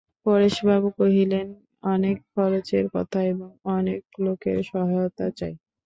পরেশবাবু কহিলেন, অনেক খরচের কথা এবং অনেক লোকের সহায়তা চাই।